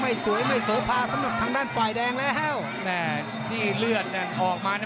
สวยไม่โสภาสำหรับทางด้านฝ่ายแดงแล้วแม่ที่เลือดนั้นออกมานะ